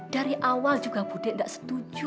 dari awal juga bu de gak setuju